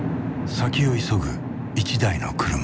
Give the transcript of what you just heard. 先を急ぐ一台の車。